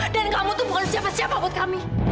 dan kamu tuh bukan siapa siapa buat kami